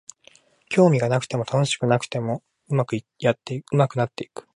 興味がなくても楽しくなくても上手くなっていく